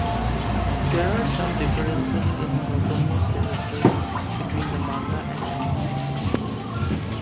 There are some differences in Nozomu's character between the manga and anime.